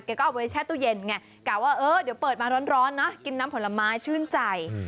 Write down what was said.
ก็เอาไว้แช่ตู้เย็นไงกะว่าเออเดี๋ยวเปิดมาร้อนนะกินน้ำผลไม้ชื่นใจ